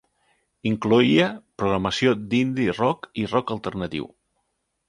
Incloïa programació d'indie rock i rock alternatiu.